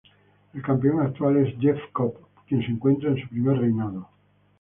El campeón actual es Jeff Cobb, quien se encuentra en su primer reinado.